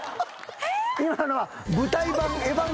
今のは。